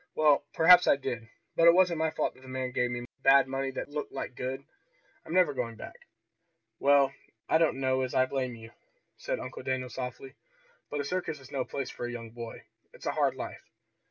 Well perhaps I did, but it wasn't my fault that the man gave me bad money that looked like good. I'm never going back!" "Well, I don't know as I blame you," said Uncle Daniel softly, "but a circus is no place for a young boy. It's a hard life."